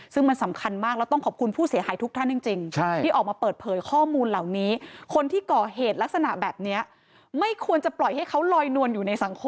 ซึ่งมันสำคัญมากแล้วต้องขอบคุณผู้เสียหายทุกท่านจริง